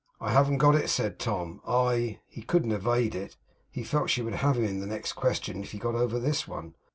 'I haven't got it,' said Tom. 'I ' he couldn't evade it; he felt she would have him in the next question, if he got over this one.